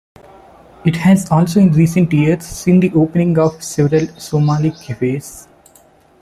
It has also in recent years seen the opening of several Somali cafes.